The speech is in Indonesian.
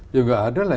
ya gak ada lah